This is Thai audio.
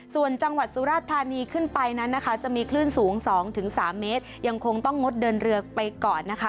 ส่วนจังหวัดสุราธานีขึ้นไปนั้นนะคะจะมีคลื่นสูง๒๓เมตรยังคงต้องงดเดินเรือไปก่อนนะคะ